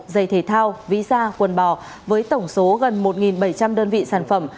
giày thể thao visa quần bò với tổng số gần một bảy trăm linh đơn vị sản phẩm